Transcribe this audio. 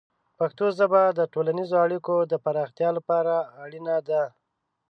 پښتو ژبه د ټولنیزو اړیکو د پراختیا لپاره اړینه ده.